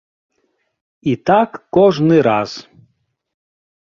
І так кожны раз.